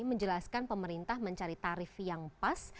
menjelaskan pemerintah mencari tarif yang pas